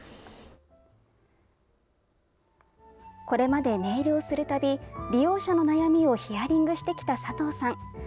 これまでネイルをするたび利用者の悩みをヒアリングしてきた佐藤さん。